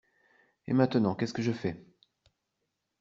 Et maintenant, qu’est-ce que je fais?